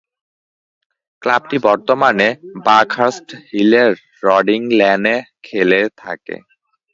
ক্লাবটি বর্তমানে বাকহার্স্ট হিলের রডিং লেনে খেলে থাকে।